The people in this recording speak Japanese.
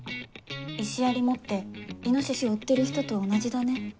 石槍持ってイノシシを追ってる人と同じだね。